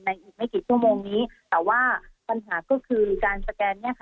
อีกไม่กี่ชั่วโมงนี้แต่ว่าปัญหาก็คือการสแกนเนี่ยค่ะ